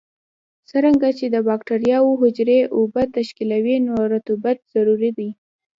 څرنګه چې د بکټریاوو حجرې اوبه تشکیلوي نو رطوبت ضروري دی.